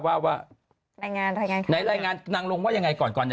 รายงานนางลงว่ายังไงก่อน